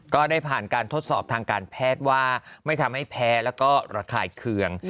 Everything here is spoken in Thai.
ก็ได้ผ่านการทดสอบทางการแพทย์ว่าไม่ทำให้แพ้แล้วก็ระคายเคือง